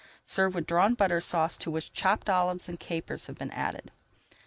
Serve with Drawn Butter Sauce to which chopped olives and capers have been added.